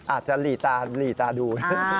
อาจจะหลีตาดู